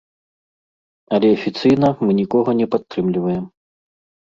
Але афіцыйна мы нікога не падтрымліваем.